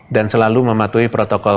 dan selalu mematuhi protokol